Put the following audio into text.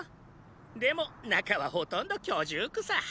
でも中はほとんど居住区さ。